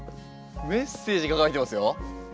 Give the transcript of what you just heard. メッセージが書いてますよ。